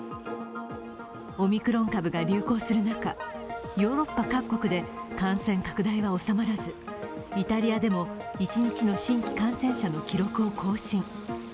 オミクロン株が流行する中、ヨーロッパ各国で感染拡大は収まらずイタリアでも一日の新規感染者の記録を更新。